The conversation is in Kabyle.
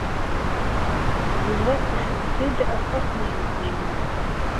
Yuba ttasen-t-id aṭas n yinebgiwen?